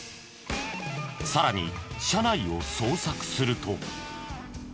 さらに車内を捜索すると。